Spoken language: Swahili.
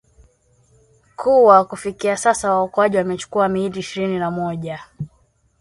kuwa kufikia sasa waokoaji wamechukua miili ishirini na moja